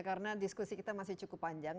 karena diskusi kita masih cukup panjang